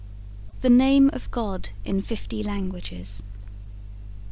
THE NAME OF GOD IN FIFTY LANGUAGES.